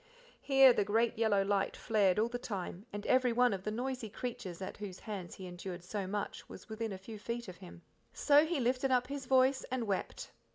Here the great yellow light flared all the time, and every one of the noisy creatures at whose hands he endured so much was within a few feet of him. So he lifted up his voice and wept.